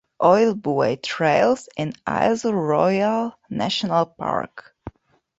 Ojibway Trails in Isle Royale National Park.